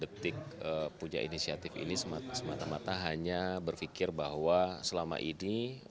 detik punya inisiatif ini semata mata hanya berpikir bahwa selama ini